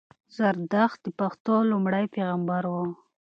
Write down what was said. زردښت د پښتنو لومړی پېغمبر وو